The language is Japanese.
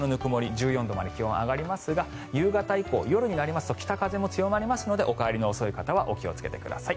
１４度まで気温が上がりますが夕方以降、夜になりますと北風が強まるのでお帰りの遅い方はお気をつけください。